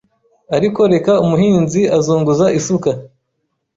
Ariko reka umuhinzi azunguza isuka